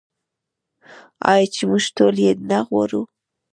آیا چې موږ ټول یې نه غواړو؟